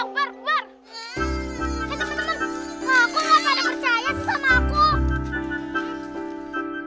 aku gak pada percaya sama aku